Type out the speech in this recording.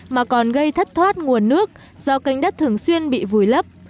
mà còn gây thất thoát nguồn nước do cánh đất thường xuyên bị vùi lấp